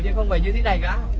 nhưng không phải như thế này gá